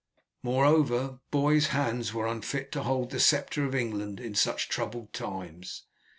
Moreover, boys' hands were unfit to hold the sceptre of England in such troubled times.